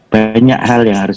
banyak hal yang harus